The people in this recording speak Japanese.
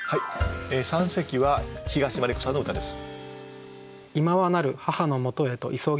三席は東真理子さんの歌です。